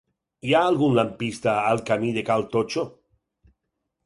Hi ha algun lampista al camí de Cal Totxo?